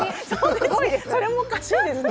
それもおかしい。